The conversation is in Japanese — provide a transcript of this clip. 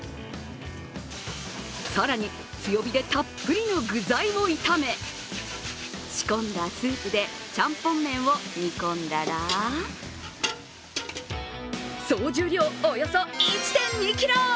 更に、強火でたっぷりの具材を炒め仕込んだスープでちゃんぽん麺を煮込んだら総重量およそ１．２ｋｇ。